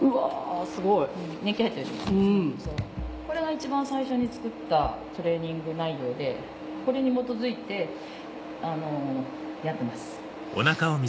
これが一番最初に作ったトレーニング内容でこれに基づいてやってます。